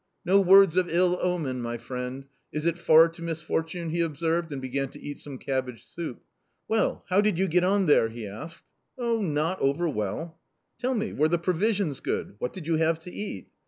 "No words of ill omen, my friend; is it far to mis fortune ?" he observed, and began to eat some cabbage soup. " Well, how did you get on there ?" he asked. " Oh ! not over well." " Tell me, were the provisions good ? what did you have to eat